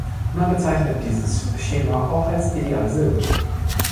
Man bezeichnet dieses Schema auch als ideale Silbe.